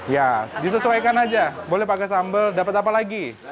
ya disesuaikan aja boleh pakai sambal dapat apa lagi